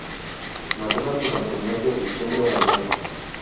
Maduran durante el mes de diciembre a enero.